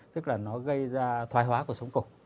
tức là nó gây ra thoái hóa của sống cổ